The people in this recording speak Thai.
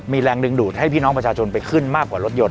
มีแรงดึงดูดให้พี่น้องประชาชนไปขึ้นมากกว่ารถยน